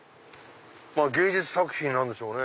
芸術作品なんでしょうね。